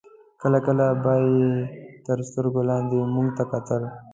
کله کله به یې تر سترګو لاندې موږ ته کتل.